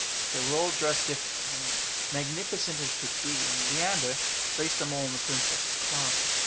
They were all dressed differently, and as magnificent as could be, and Leander placed them all in the princess's closet.